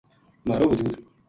مھارو وجود